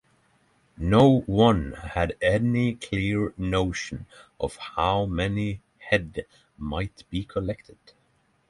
No one had any clear notion of how many head might be collected.